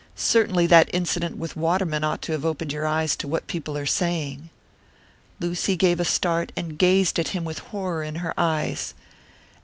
Certainly that incident with Waterman ought to have opened your eyes to what people are saying." Lucy gave a start, and gazed at him with horror in her eyes.